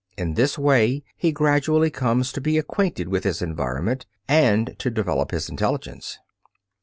In this way he gradually comes to be acquainted with his environment and to develop his intelligence.